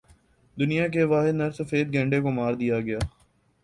دنیا کے واحد نر سفید گینڈے کو مار دیا گیا